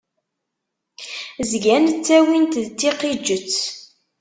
Zgan ttawin-t d tiqiǧet.